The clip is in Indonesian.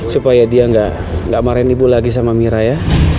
supaya dia nggak marahin ibu lagi sama mira ya